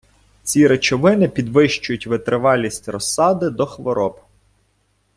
Ці речовини підвищують витривалість розсади до хвороб.